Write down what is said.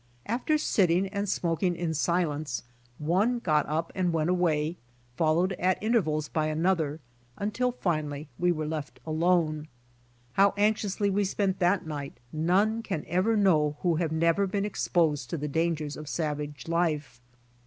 After sitting and smok ing in silence one got up and went away followed at intervals by another, until finally we were left alone. How anxiously we spent that night none can ever know who have never been exposed to the dangers of savage life.